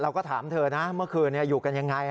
เราก็ถามเธอนะเมื่อคืนอยู่กันยังไง